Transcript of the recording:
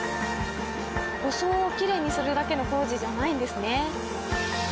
装をきれいにするだけの工事じゃないんですね。